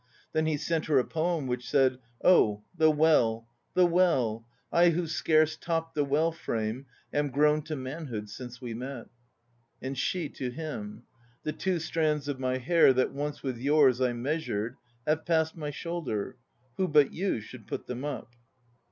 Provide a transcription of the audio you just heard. Then he sent her a poem which said: "Oh, the well, the well! I who scarce topped the well frame Am grown to manhood since we met." And she to him: "The two strands of my hair That once with yours I measured, Have passed my shoulder; Who but you should put them up?"